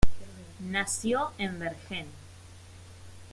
Nació en Bergen.